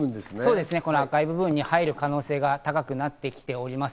この赤い部分に入る可能性が高くなってきております。